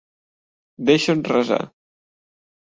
Deixa'ns resar.